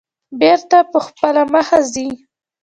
بېرته په خپله مخه ځي.